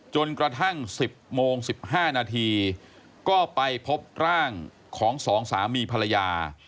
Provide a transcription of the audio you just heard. กระทั่ง๑๐โมง๑๕นาทีก็ไปพบร่างของสองสามีภรรยา